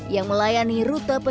yang melayani rute penerbangan